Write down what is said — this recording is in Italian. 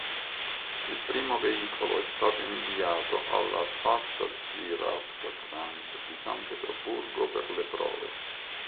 Il primo veicolo è stato inviato alla Passazhiravtotrans di San Pietroburgo per le prove.